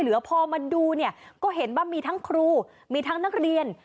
หรือว่าพอมาดูก็เห็นว่ามีทั้งครูมีทั้งนักเรียน